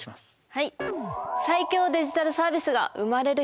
はい。